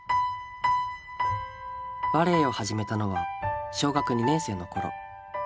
バレーを始めたのは小学２年生の頃。